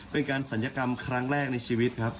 เป็นการศัลยกรรมครั้งแรกในชีวิตครับ